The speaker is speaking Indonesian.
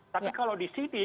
tapi kalau di sini